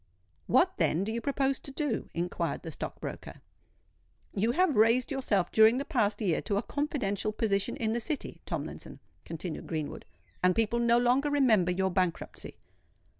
"What, then, do you propose to do?" inquired the stock broker. "You have raised yourself during the past year to a confidential position in the City, Tomlinson," continued Greenwood: "and people no longer remember your bankruptcy."